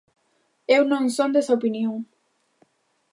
Eu non son desa opinión.